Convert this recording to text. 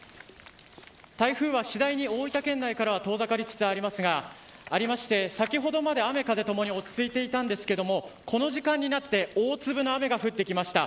台風は、次第に大分県内からは遠ざかりつつありますが先ほどから雨風ともに落ち着いていましたがこの時間になって大粒の雨が降ってきました。